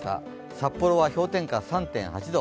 札幌は氷点下３．８度。